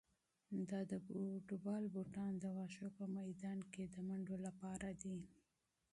دا د فوټبال بوټان د واښو په میدان کې د منډو لپاره دي.